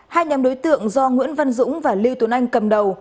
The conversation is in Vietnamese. hai nhóm đối tượng do nguyễn văn dũng và lưu tuấn anh cầm đầu